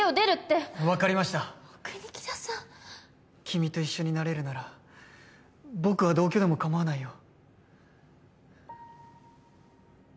君と一緒になれるなら僕は同居でも構わないよ。